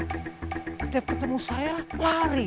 setiap ketemu saya lari